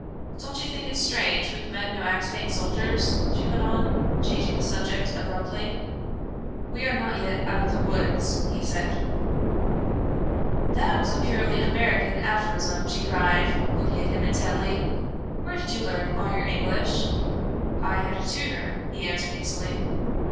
"Don't you think it strange we've met no Axphain soldiers?" she went on, changing the subject abruptly. "We are not yet out of the woods," he said. "That was a purely American aphorism," she cried, looking at him intently. "Where did you learn all your English?" "I had a tutor," he answered easily.